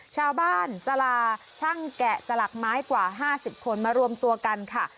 ชาวบ้านสลาช่างแกะสลักไม้กว่า๕๐คนมารวมตัวกันค่ะ